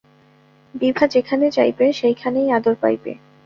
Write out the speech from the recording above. বিভা যেখানে যাইবে সেই খানেই আদর পাইবে।